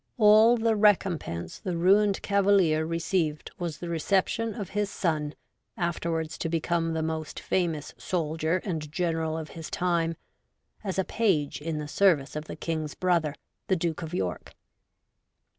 All the recompense the ruined Cavalier received was the reception of his son, afterwards to become the most famous soldier and general of his time, as a page in the service of the King's brother, the Duke of York.